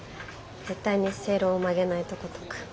絶対に正論を曲げないとことか。